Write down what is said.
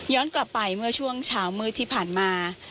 กลับไปเมื่อช่วงเช้ามืดที่ผ่านมา